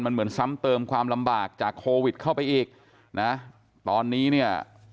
มันเหมือนซ้ำเติมความลำบากจากโควิดเข้าไปอีกนะตอนนี้เนี่ย